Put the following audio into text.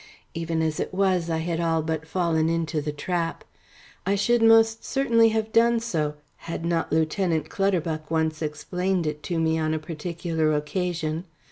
Even as it was I had all but fallen into the trap. I should most certainly have done so had not Lieutenant Clutterbuck once explained it to me on a particular occasion.